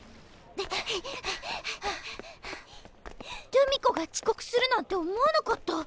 留美子がちこくするなんて思わなかった。